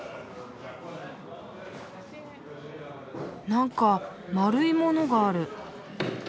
なんか円いものがある。